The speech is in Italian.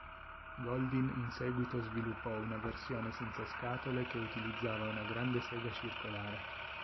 Goldin in seguito sviluppò una versione senza scatole che utilizzava una grande sega circolare.